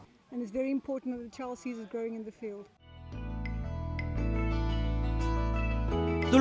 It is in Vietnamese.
và rất quan trọng khi trẻ em thấy trẻ em đang trở lại trong khu trung cư